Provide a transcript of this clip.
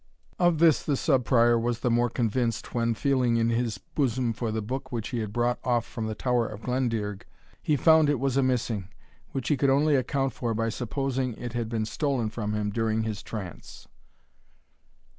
Of this the Sub Prior was the more convinced, when, feeling in his bosom for the Book which he had brought off from the Tower of Glendearg, he found it was amissing, which he could only account for by supposing it had been stolen from him during his trance.